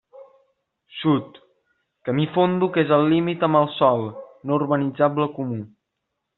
Sud: camí Fondo que és límit amb el sòl no urbanitzable comú.